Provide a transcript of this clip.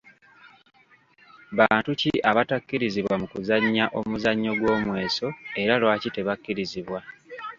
Bantu ki abatakkirizibwa mu kuzannya omuzannyo gw’omweso era lwaki tebakkirizibwa?